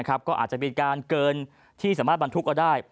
ก็อาจจะเป็นการเกินที่สามารถบรรทุกเอาได้